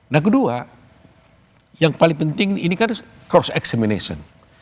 nah kedua yang paling penting ini kan course examination